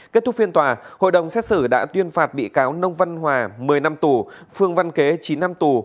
kết thúc phiên tòa hội đồng xét xử đã tuyên phạt bị cáo nông văn hòa một mươi năm tù phương văn kế chín năm tù